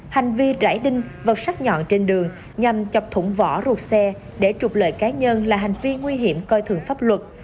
hành vi rãi đinh vọt sắt nhọn trên đường nhằm chọc thủng vỏ ruột xe để trục lợi cá nhân là hành vi nguy hiểm coi thường pháp luật